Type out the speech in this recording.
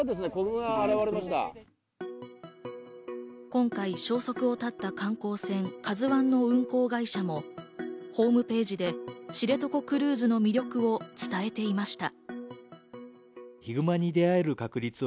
今回、消息を絶った観光船「ＫＡＺＵ１」の運航会社もホームページで知床クルーズの魅力を伝えていました。